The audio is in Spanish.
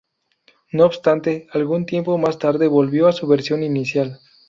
No obstante, algún tiempo más tarde volvió a su versión inicial.